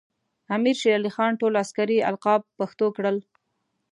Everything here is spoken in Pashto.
امیر شیر علی خان ټول عسکري القاب پښتو کړل.